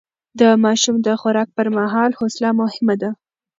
د ماشوم د خوراک پر مهال حوصله مهمه ده.